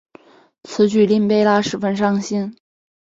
此举令贝拉十分伤心。